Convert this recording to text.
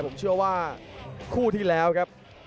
ผมเชื่อว่าคู่ที่แล้วครับ